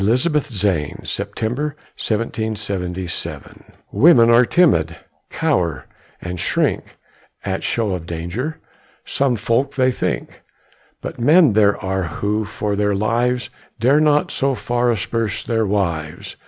BETTY ZANE [September, 1777] Women are timid, cower and shrink At show of danger, some folk think; But men there are who for their lives Dare not so far asperse their wives.